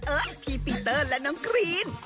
พี่ปีเตอร์และน้องกรีน